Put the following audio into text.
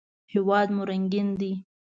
هېواد مو رنګین دی